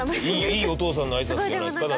いいお父さんの挨拶じゃないですか？